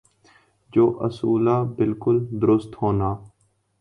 جو اصولا بالکل درست ہونا ۔